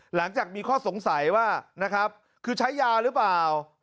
หลังจากมีข้อสงสัยว่าคือใช้ยาหรือเปล่า